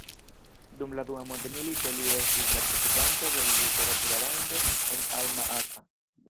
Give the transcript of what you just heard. Dum la dua mondmilito li estis la gvidanto de literatura rondo en Alma Ata.